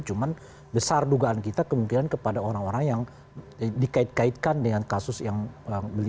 cuma besar dugaan kita kemungkinan kepada orang orang yang dikait kaitkan dengan kasus yang apa namanya yang kondisi